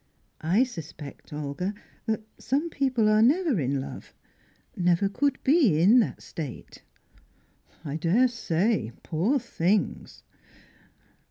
"I suspect, Olga, that some people are never in love never could be in that state." "I daresay, poor things!"